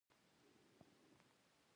ډیپلوماسي د هېواد د استقلال یو مهم محور دی.